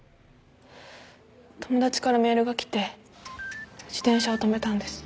友達からメールが来て自転車を止めたんです。